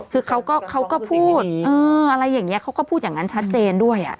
คือเขาก็พูดเขาก็พูดอย่างงั้นชัดเจนด้วย